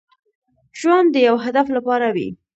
ژوند د يو هدف لپاره وي.